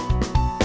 oke sampai jumpa